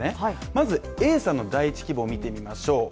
まず、Ａさんの第１希望を見ていきましょう。